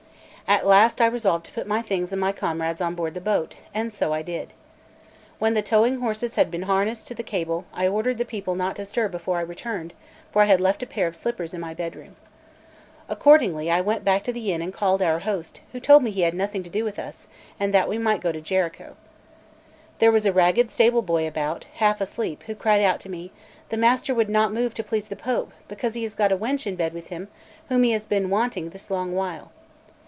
At last I resolved to put my things and my comrade's on board the boat; and so I did. When the towing horses had been harnessed to the cable, I ordered the people not to stir before I returned, for I had left a pair of slippers in my bedroom. Accordingly I went back to the inn and called our host, who told me he had nothing to do with us, and that we might go to Jericho. There was a ragged stable boy about, half a sleep, who cried out to me: "The master would not move to please the Pope, because he has got a wench in bed with him, whom he has been wanting this long while."